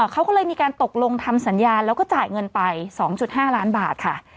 เขาก็เลยมีการตกลงทำสัญญาแล้วก็จ่ายเงินไป๒๕ล้านบาทค่ะ